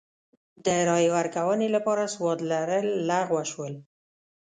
د رایې ورکونې لپاره سواد لرل لغوه شول.